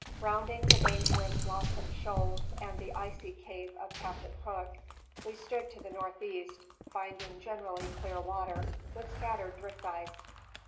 Rounding the dangerous Blossom shoals and the Icy cape of .Captain Cook, we stood to the northeast, finding generally clear water, with scattered drift ice.